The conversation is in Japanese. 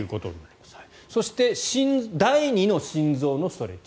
そして第二の心臓のストレッチ。